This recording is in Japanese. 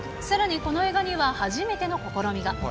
さらにこの映画には、初めての試みが。